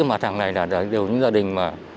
mặt hàng này là những gia đình